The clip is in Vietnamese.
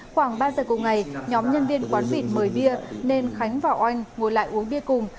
khoảng ba giờ cùng ngày nhóm nhân viên quán mịt mời bia nên khánh và oanh ngồi lại uống bia cùng